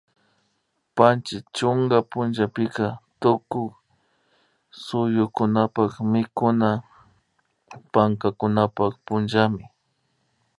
Panchi chunka punllapika tukuy suyukunapak mikuna pankakunapak punllami